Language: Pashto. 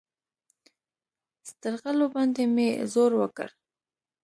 سترغلو باندې مې زور وکړ.